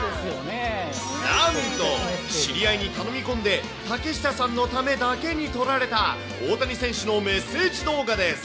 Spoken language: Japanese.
なんと、知り合いに頼み込んで竹下さんのためだけに撮られた、大谷選手のメッセージ動画です。